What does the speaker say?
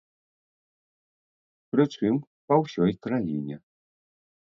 Прычым па ўсёй краіне.